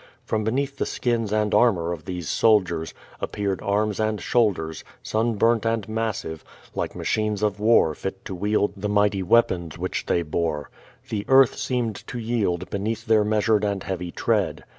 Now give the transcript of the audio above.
From beneath the skins and armor of these soldiers, appeared arms and slioulders, sun burnt and massive, like machines of war fit to wield the mighty weapons which they bore. The earth seemed to yield lieneath their measured and heavy tread.